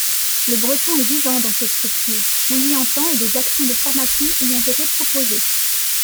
Le breton est vivant dans ces structures, on l'y entend et des actions de formation y ont été proposées.